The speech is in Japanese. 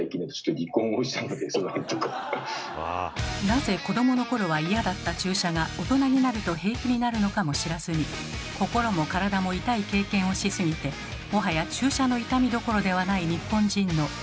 なぜ子どものころは嫌だった注射が大人になると平気になるのかも知らずに心も体も痛い経験をしすぎてもはや注射の痛みどころではない日本人のなんと多いことか。